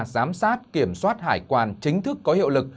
giám sát kiểm soát hải quan chính thức có hiệu lực